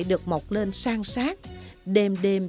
được mọc lên sang sát đềm đềm